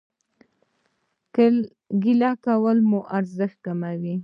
ګيله کول مو ارزښت کموي